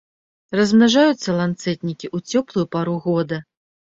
Размнажаюцца ланцэтнікі ў цёплую пару года.